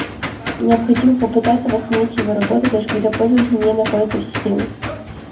Необходимо попытаться восстановить его работу даже когда пользователь не находится в системе